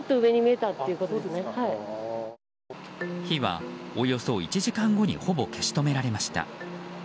火はおよそ１時間後にほぼ消し止められました。